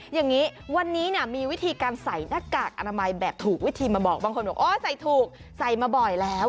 อย่างนี้วันนี้มีวิธีการใส่หน้ากากอนามัยแบบถูกวิธีมาบอกบางคนบอกโอ้ใส่ถูกใส่มาบ่อยแล้ว